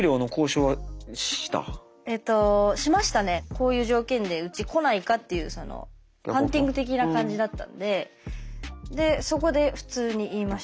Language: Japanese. こういう条件でうち来ないかっていうハンティング的な感じだったんでそこで普通に言いました。